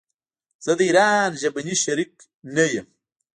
زه د ايران ژبني شريک نه يم.